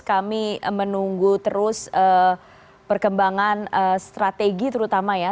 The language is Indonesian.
kami menunggu terus perkembangan strategi terutama ya